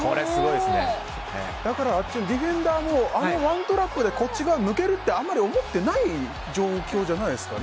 あっちのディフェンダーもあの１トラップでこっち側抜けるって、あんまり思ってない状況じゃないですか。